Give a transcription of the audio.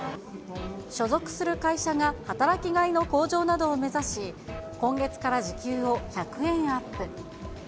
所属する会社が働きがいの向上などを目指し、今月から時給を１００円アップ。